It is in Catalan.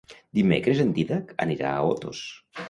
Dimecres en Dídac anirà a Otos.